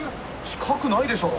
近くないでしょ！